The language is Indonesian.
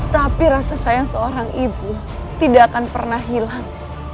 tapi rasa sayang seorang ibu tidak akan pernah hilang